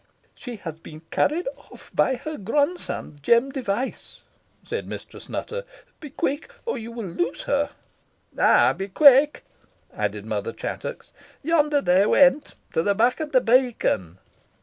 "She has been carried off by her grandson, Jem Device," said Mistress Nutter; "be quick, or you will lose her." "Ay, be quick be quick!" added Mother Chattox. "Yonder they went, to the back of the beacon."